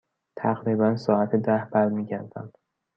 تقریبا ساعت ده برمی گردم.